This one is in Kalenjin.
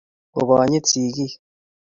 Ogonyit sigiik